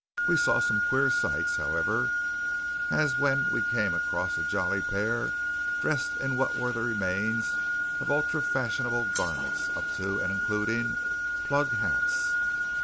We saw some queer sights, however; as when we came across a jolly pair dressed in what were the remains of ultra fashionable garments up to and including plug hats!